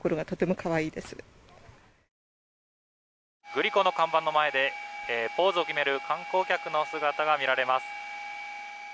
グリコの看板の前でポーズを決める観光客の姿が見られます。